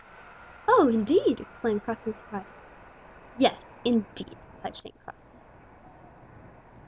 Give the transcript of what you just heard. "Oh, indeed!" exclaimed Crossley in surprise. "Yes, indeed," replied Shank insolently.